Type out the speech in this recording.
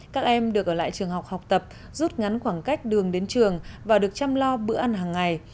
các em được ở lại trường học học tập rút ngắn khoảng cách đường đến trường và được chăm lo bữa ăn hàng ngày